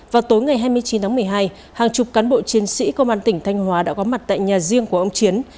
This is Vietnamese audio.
vào tối ngày hai mươi chín tháng một mươi hai hàng chục cán bộ chiến sĩ công an tỉnh thanh hóa đã có mặt tại nhà riêng của ông chiến